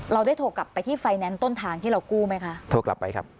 เราได้โทรกลับไปที่ไฟแนนซ์ต้นทางที่เรากู้ไหมคะโทรกลับไปครับ